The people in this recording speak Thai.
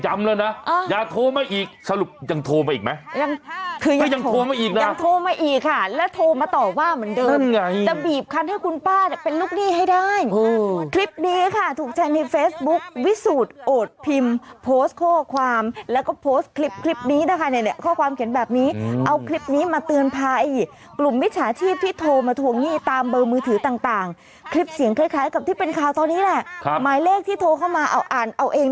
ห้ามโทรมาอีกห้ามโทรมาอีกห้ามโทรมาอีกห้ามโทรมาอีกห้ามโทรมาอีกห้ามโทรมาอีกห้ามโทรมาอีกห้ามโทรมาอีกห้ามโทรมาอีกห้ามโทรมาอีกห้ามโทรมาอีกห้ามโทรมาอีกห้ามโทรมาอีกห้ามโทรมาอีกห้ามโทรมาอีกห้ามโทรมาอีกห้ามโทรมาอีกห้ามโทรมาอีกห้ามโทรมาอีกห้ามโทรมาอีกห